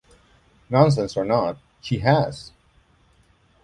Nonsense or not, she has!